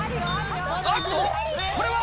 あっと、これは？